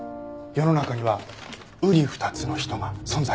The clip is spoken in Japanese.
世の中にはうり二つの人が存在するんです。